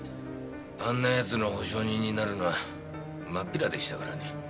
あんな奴の保証人になるのはまっぴらでしたからね。